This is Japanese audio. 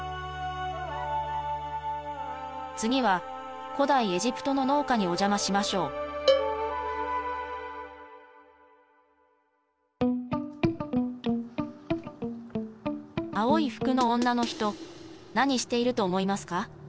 次は古代エジプトの農家にお邪魔しましょう青い服の女の人何していると思いますか？